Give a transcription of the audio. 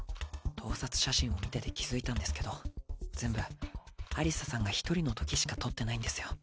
盗撮写真を見てて気付いたんですけど全部アリサさんが一人のときしか撮ってないんですよ。